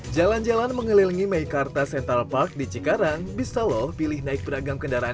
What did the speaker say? jalan jalan mengelilingi meikarta central park di cikarang bisa loh pilih naik beragam kendaraan